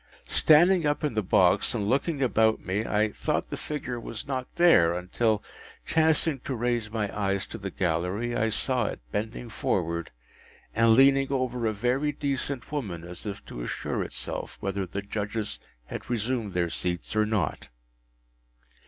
Standing up in the box and looking about me, I thought the figure was not there, until, chancing to raise my eyes to the gallery, I saw it bending forward, and leaning over a very decent woman, as if to assure itself whether the Judges had resumed their seats or not.